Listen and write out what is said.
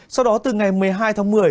sau đó từ ngày một mươi hai tháng một mươi